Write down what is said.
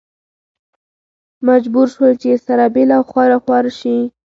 مجبور شول چې سره بېل او خواره واره شي.